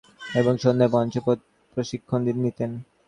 তিনি ব্যাংকে চাকুরি শুরু করেন এবং সন্ধ্যায় মঞ্চে প্রশিক্ষণ নিতেন।